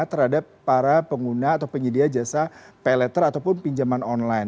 terhadap para pengguna atau penyedia jasa pay letter ataupun pinjaman online